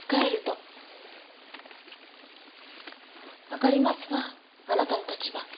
分かりますわあなたの立場。